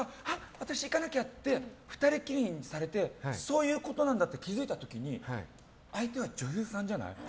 私、行かなきゃって２人きりにされてそういうことなんだって気づいた時に相手は女優さんじゃない。